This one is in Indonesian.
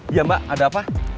iya mbak ada apa